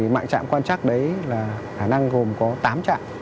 mạng trạm quan trắc đấy là hả năng gồm có tám trạm